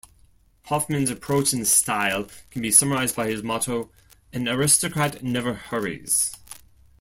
Hofmann's approach and style can be summarized by his motto "an aristocrat never hurries".